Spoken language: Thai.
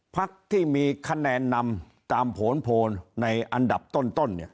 พักที่มีคะแนนนำตามผลโพลในอันดับต้น